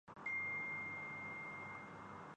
ان سے کیا گلہ۔